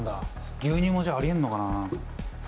牛乳もじゃあありえんのかなあ？